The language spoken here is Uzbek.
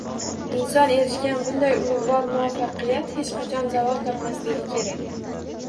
Inson erishgan bunday ulug‘vor muvaffaqiyat hech qachon zavol topmasligi kerak!